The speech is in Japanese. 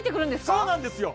そうなんですよ